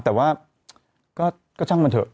แต่ว่าก็ช่างมันเถอะ